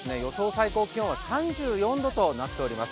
最高気温は３４度となっております。